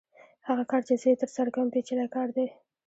هغه کار چې زه یې ترسره کوم پېچلی کار دی